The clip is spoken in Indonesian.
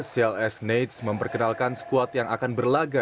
cls knights memperkenalkan skuad yang akan berlaga